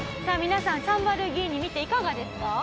さあ皆さんサンバルギーニ見ていかがですか？